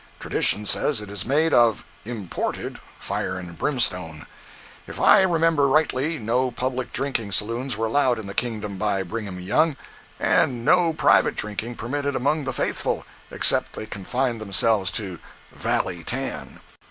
Tradition says it is made of (imported) fire and brimstone. If I remember rightly no public drinking saloons were allowed in the kingdom by Brigham Young, and no private drinking permitted among the faithful, except they confined themselves to "valley tan."